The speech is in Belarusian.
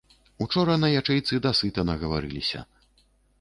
Учора на ячэйцы дасыта нагаварыліся.